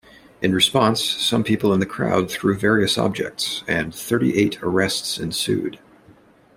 In response, some people in the crowd threw various objects, and thirty-eight arrests ensued.